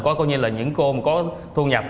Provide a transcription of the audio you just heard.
có như là những cô có thu nhập